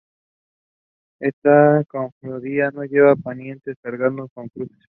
Esta cofradía no lleva penitentes cargados con cruces.